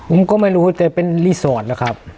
ผมก็ไม่รู้แต่เป็นรีสอร์ทนะครับ